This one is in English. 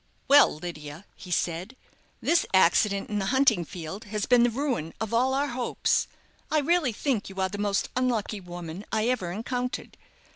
"Well, Lydia," he said, "this accident in the hunting field has been the ruin of all our hopes. I really think you are the most unlucky woman I ever encountered.